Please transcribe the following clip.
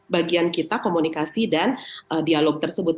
bagian kita komunikasi dan dialog tersebut